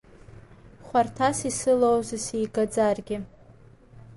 Хәарҭас исылоузеи сигаӡаргьы?